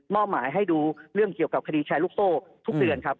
อบหมายให้ดูเรื่องเกี่ยวกับคดีแชร์ลูกโซ่ทุกเดือนครับ